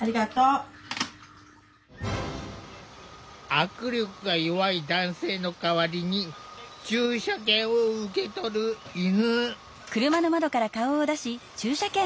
握力が弱い男性の代わりに駐車券を受け取る犬。